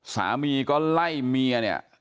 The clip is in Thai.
สามีก็ไล่เมียเนี่ย